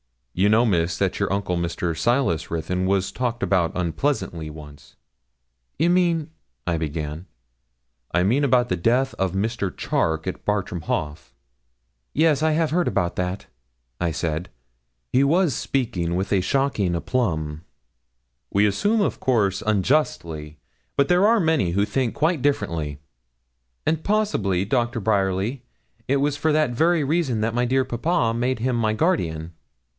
You know, Miss, that your uncle, Mr. Silas Ruthyn, was talked about unpleasantly once.' 'You mean' I began. 'I mean about the death of Mr. Charke, at Bartram Haugh.' 'Yes, I have heard that,' I said; he was speaking with a shocking aplomb. 'We assume, of course, unjustly; but there are many who think quite differently.' 'And possibly, Doctor Bryerly, it was for that very reason that my dear papa made him my guardian.'